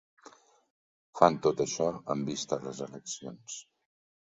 Fan tot això amb vista a les eleccions.